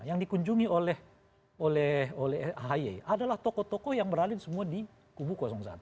yang dikunjungi oleh ahy adalah tokoh tokoh yang beralih semua di kubu satu